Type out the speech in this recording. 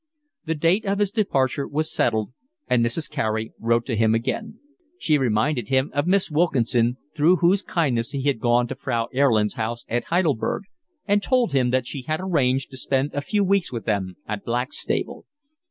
The date of his departure was settled, and Mrs. Carey wrote to him again. She reminded him of Miss Wilkinson, through whose kindness he had gone to Frau Erlin's house at Heidelberg, and told him that she had arranged to spend a few weeks with them at Blackstable.